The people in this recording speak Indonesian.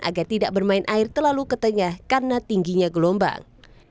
agar tidak bermain air terlalu ke tengah karena tingginya gelombang